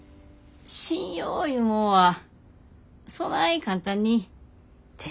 信用いうもんはそない簡単に手に入るもんと違う。